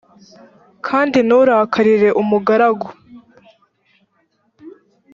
kandi nturakarire umugaragu